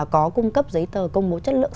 có cung cấp giấy tờ công bố chất lượng